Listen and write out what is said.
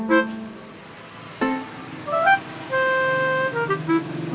duh saya teh jadi senang dan bahagia